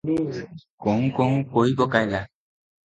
କହୁଁ କହୁଁ କହିପକାଇଲା ।